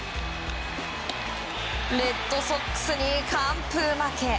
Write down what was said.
レッドソックスに完封負け。